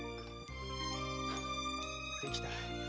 できた。